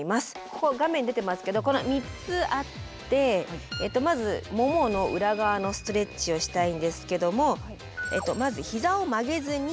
ここ画面出てますけどこの３つあってまずももの裏側のストレッチをしたいんですけどもまずひざを曲げずに。